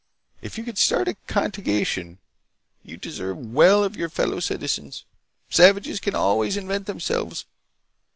If you could start a contagion, you'd deserve well of your fellow citizens. Savages can always invent themselves.